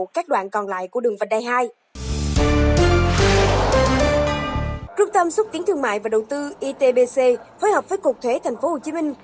cảm xúc kiến thương mại và đầu tư itbc phối hợp với cục thuế thành phố hồ chí minh